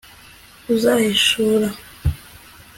uzahishura